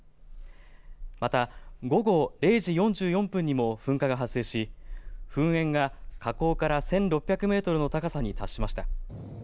また、午後０時４４分にも噴火が発生し噴煙が火口から１６００メートルの高さに達しました。